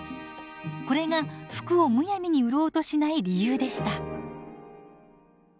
これが服をむやみに売ろうとしない理由でした。